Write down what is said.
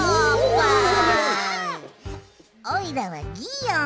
おいらはギーオン！